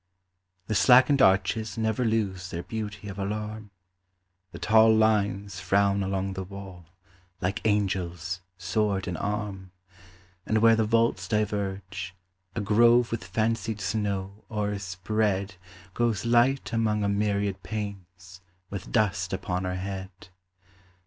The slackened arches never lose their beauty of alarm; The tall lines frown along the wall, like angels, sword in arm; And where the vaults diverge, a grove with fancied snow o'erspread, Goes light among a myriad panes, with dust upon her head.